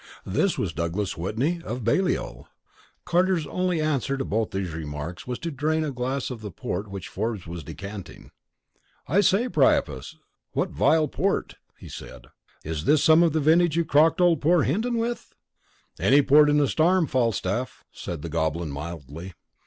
This was Douglas Whitney, of Balliol. Carter's only answer to both these remarks was to drain a glass of the port which Forbes was decanting. "I say, Priapus, what vile port!" he said. "Is this some of the vintage you crocked poor old Hinton with?" "Any port in a storm, Falstaff," said the Goblin, mildly.